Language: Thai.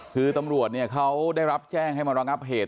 คือตำรวจเขาได้รับแจ้งให้มาระงับเหตุ